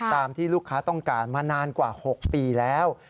ตามที่ลูกค้าต้องการมานานกว่า๖ปีแล้ว